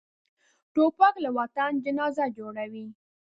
توپک له وطن جنازه جوړوي.